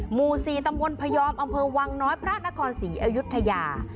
หมู่๔ตำบลพยอมอำเภอวังน้อยพระนครศรีอยุธยา